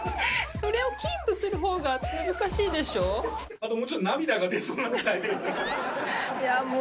それをキープするほうが難しいでしょう。